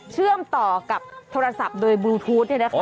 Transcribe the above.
เชื่อมต่อกับโทรศัพท์โดยบลูทูธ